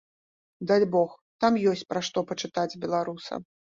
Дальбог, там ёсць пра што пачытаць беларусам.